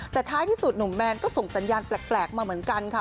แต่ท้ายที่สุดหนุ่มแมนก็ส่งสัญญาณแปลกมาเหมือนกันค่ะ